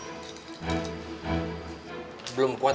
aku rasa tuduhan kamu itu belum cukup kuat